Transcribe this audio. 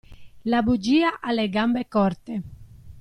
La bugia ha le gambe corte.